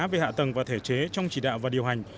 về hạ tầng và thể chế trong chỉ đạo và điều hành